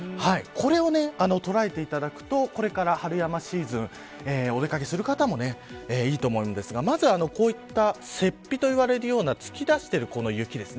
これを捉えていただくとこれから春山シーズンお出掛けする方もいいと思いますがまずは、こういったせっぴと呼ばれるような突き出している雪